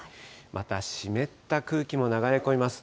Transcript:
また、湿った空気も流れ込みます。